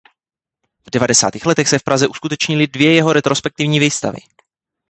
V devadesátých letech se v Praze uskutečnily jeho dvě retrospektivní výstavy.